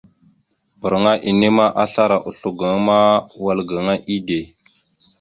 Mbarŋa enne ma, aslara oslo gaŋa ma, wal gaŋa ide.